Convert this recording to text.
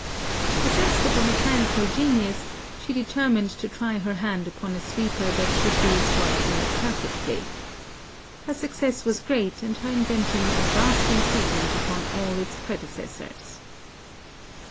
Possessed of a mechanical genius, she determined to try her hand upon a sweeper that should do its work more perfectly. Her success was great, and her invention a vast improvement upon all its predecessors.